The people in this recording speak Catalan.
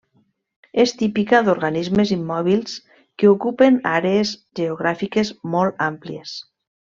És típica d'organismes immòbils que ocupen àrees geogràfiques molt àmplies.